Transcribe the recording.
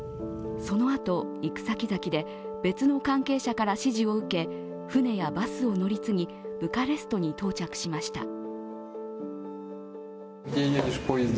そのあと、行く先々で別の関係者から指示を受け、船やバスを乗り継ぎブカレストに到着しました。